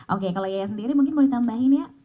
oke kalau yaya sendiri mungkin boleh tambahin ya